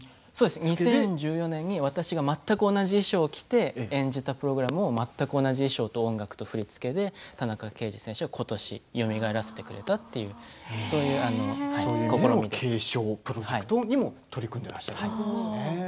２０１４年に私が全く同じ衣装を着て演じたプログラムを同じ衣装と同じ振り付けで同じ音楽で田中選手がことしよみがえらせてくれた継承プロジェクトにも取り組んでいらっしゃるんですね。